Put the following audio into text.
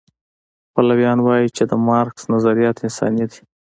پلویان وایي چې د مارکس نظریات انساني دي.